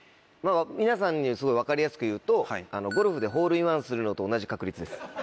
皆さんにすごい分かりやすく言うとゴルフでホールインワンするのと同じ確率です。